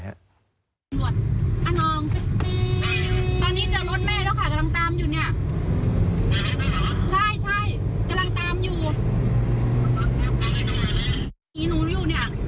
หนหน้านี่